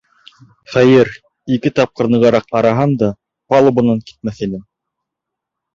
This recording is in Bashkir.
Хәйер, ике тапҡыр нығыраҡ арыһам да, палубанан китмәҫ инем.